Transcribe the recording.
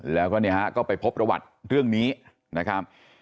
แล้วก็ไปพบประวัติเรื่องนี้นะครับ